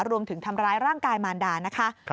รวมถึงทำร้ายร่างกายมารดานะคะ